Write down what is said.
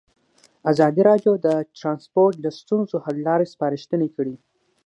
ازادي راډیو د ترانسپورټ د ستونزو حل لارې سپارښتنې کړي.